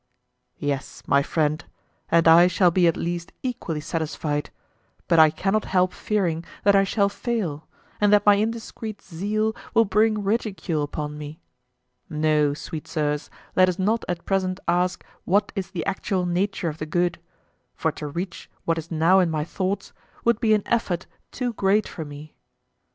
Yes, my friend, and I shall be at least equally satisfied, but I cannot help fearing that I shall fail, and that my indiscreet zeal will bring ridicule upon me. No, sweet sirs, let us not at present ask what is the actual nature of the good, for to reach what is now in my thoughts would be an effort too great for me.